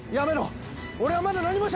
俺はまだ何もしゃべってない。